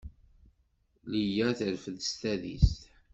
Liya terfed s tadist.